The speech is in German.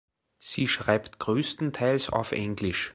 Sie schreibt größtenteils auf Englisch.